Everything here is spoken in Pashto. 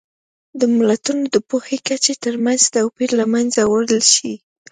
د ملتونو د پوهې کچې ترمنځ توپیر له منځه وړلی شي.